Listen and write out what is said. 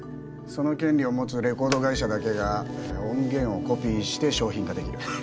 その権利を持つレコード会社だけが音源をコピーして商品化できる